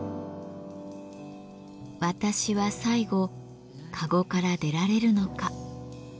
私は最後籠から出られるのか。